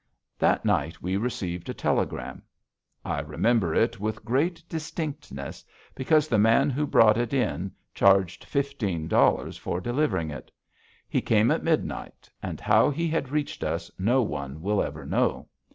That night we received a telegram. I remember it with great distinctness, because the man who brought it in charged fifteen dollars for delivering it. He came at midnight, and how he had reached us no one will ever know.